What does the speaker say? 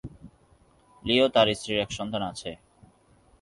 লি ও তার স্ত্রীর এক সন্তান আছে।